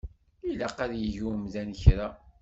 Ilaq ad yeg umdan kra.